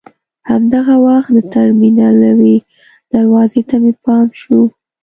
همدغه وخت د ټرمینل یوې دروازې ته مې پام شو.